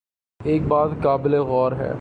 ایک بات قابل غور ہے۔